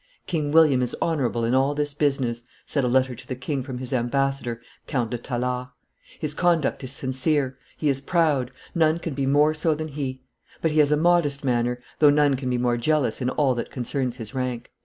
"King William is honorable in all this business," said a letter to the king from his ambassador, Count de Tallard; "his conduct is sincere; he is proud none can be more so than he; but he has a modest manner, though none can be more jealous in all that concerns his rank."